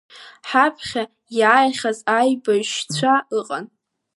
Ҳаԥхьа иааихьаз аибашьыҩцәа ыҟан.